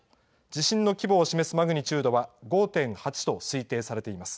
地震の規模を示すマグニチュードは５．８と推定されています。